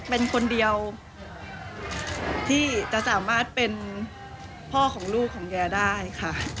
เป็นคนเดียวที่จะสามารถเป็นพ่อของลูกของแยได้ค่ะ